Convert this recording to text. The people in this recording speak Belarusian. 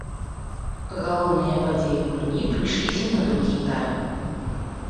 Галоўныя падзеі гульні прыйшліся на другі тайм.